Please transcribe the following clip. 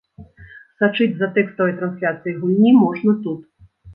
Сачыць за тэкставай трансляцыяй гульні можна тут.